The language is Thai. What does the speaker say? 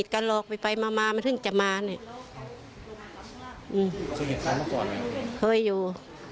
เคยอยู่